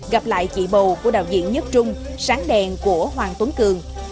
gặp lại chị bầu của đạo diễn nhất trung sáng đèn của hoàng tuấn cường